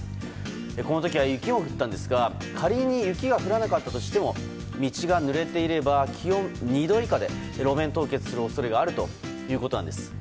この時は雪も降ったんですが仮に雪が降らなかったとしても道がぬれていれば気温２度以下で路面凍結する恐れがあるということです。